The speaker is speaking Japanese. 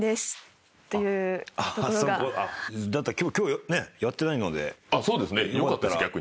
だったら今日やってないのでよかったら。